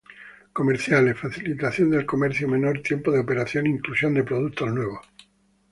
Comerciales: Facilitación del comercio, menor tiempo de operación, inclusión de productos nuevos.